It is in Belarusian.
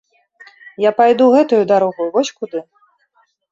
Я пайду гэтаю дарогаю, вось куды!